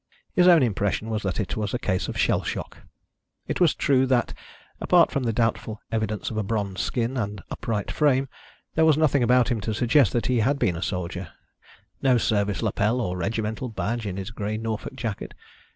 His own impression was that it was a case of shell shock. It was true that, apart from the doubtful evidence of a bronzed skin and upright frame, there was nothing about him to suggest that he had been a soldier: no service lapel or regimental badge in his grey Norfolk jacket.